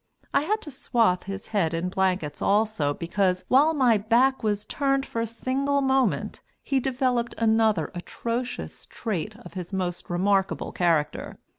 I had to swathe his head in blankets also, because, while my back was turned for a single moment, he developed another atrocious trait of his most remarkable character.